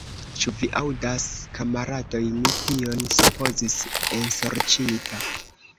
Ĉu vi aŭdas, kamaradoj, mi tion supozis, ensorĉita!